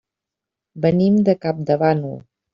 Venim de Campdevànol.